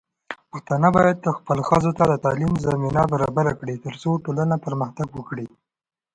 پښتانه بايد خپلو ښځو ته د تعليم زمينه برابره کړي، ترڅو ټولنه پرمختګ وکړي.